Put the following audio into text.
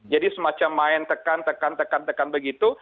semacam main tekan tekan tekan tekan begitu